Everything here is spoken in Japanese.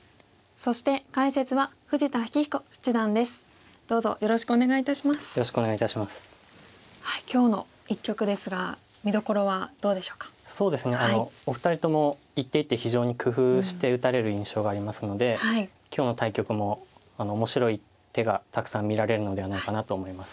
そうですねお二人とも一手一手非常に工夫して打たれる印象がありますので今日の対局も面白い手がたくさん見られるのではないかなと思います。